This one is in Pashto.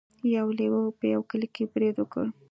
یو لیوه په یوه کلي برید وکړ.